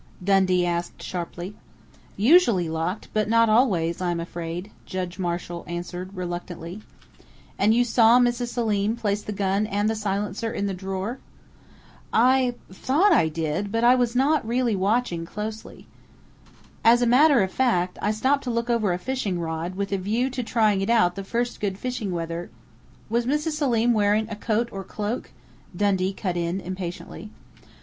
Dundee asked sharply. "Usually locked, but not always, I am afraid," Judge Marshall answered reluctantly. "And you saw Mrs. Selim place the gun and the silencer in the drawer?" "I thought I did, but I was really not watching closely. As a matter of fact, I stopped to look over a fishing rod, with a view to trying it out the first good fishing weather " "Was Mrs. Selim wearing a coat or cloak?" Dundee cut in impatiently.